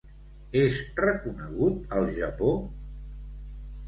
És reconegut al Japó?